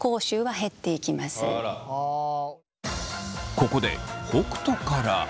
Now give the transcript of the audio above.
ここで北斗から。